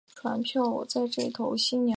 律令制下将之分为从七位上和从七位下。